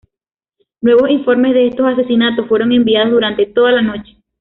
Nuevos informes de estos asesinatos fueron enviados durante toda la noche.